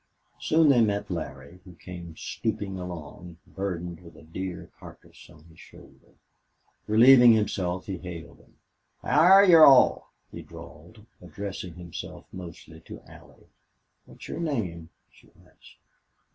Soon they met Larry, who came stooping along, burdened with a deer carcass on his shoulder. Relieving himself, he hailed them. "How air you all?" he drawled, addressing himself mostly to Allie. "What's your name?" she asked.